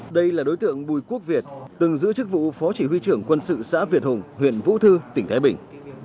đây là đối tượng bùi quốc việt từng giữ chức vụ phó chỉ huy trưởng quân sự xã việt hùng huyện vũ thư tỉnh thái bình